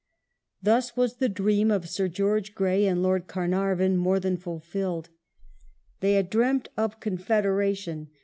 Thus was the dream of Sir George Grey and Lord Carnarvon more than fulfilled. They had dreamt of confederation.